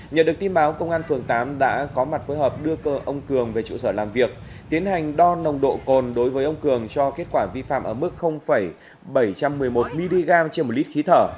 nhờ được tin báo công an phường tám đã có mặt phối hợp đưa cơ ông cường về trụ sở làm việc tiến hành đo nồng độ cồn đối với ông cường cho kết quả vi phạm ở mức bảy trăm một mươi một mg trên một lít khí thở